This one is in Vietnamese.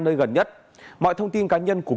nơi gần nhất mọi thông tin cá nhân của